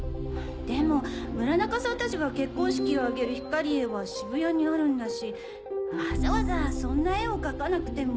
でも村中さんたちが結婚式を挙げるヒカリエは渋谷にあるんだしわざわざそんな絵を描かなくても。